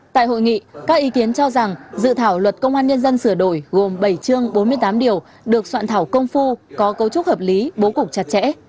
tại hội nghị các ý kiến cho rằng dự thảo luật công an nhân dân sửa đổi gồm bảy chương bốn mươi tám điều được soạn thảo công phu có cấu trúc hợp lý bố cục chặt chẽ